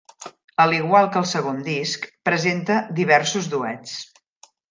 A l'igual que el segon disc, presenta diversos duets.